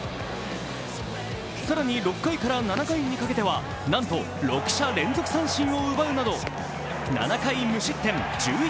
更に６回から７回にかけては、なんと６者連続三振を奪うなど７回無失点１１